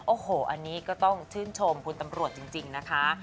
โอ้โหอันนี้ก็ต้องชื่นชมคุณตำรวจจริงนะคะ